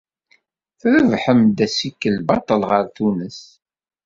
Trebḥem-d assikel baṭel ɣer Tunes.